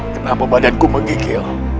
kenapa badanku menggigil